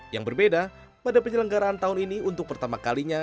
yang berbeda pada penyelenggaraan tahun ini untuk pertama kalinya